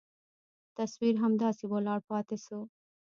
تصوير همداسې ولاړ پاته سو.